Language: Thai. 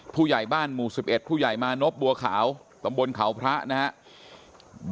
ผู้ใหญ่บ้านหมู่๑๑ผู้ใหญ่มานพบัวขาวตำบลเขาพระนะครับ